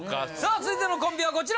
続いてのコンビはこちら！